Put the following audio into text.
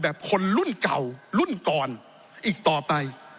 คนรุ่นเก่ารุ่นก่อนอีกต่อไป